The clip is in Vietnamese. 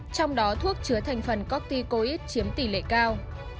trong đó thuốc chứa thành phần corticoid chiếm tỷ lệ cao